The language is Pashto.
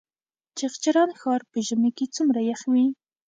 چغچران ښار په ژمي کې څومره یخ وي؟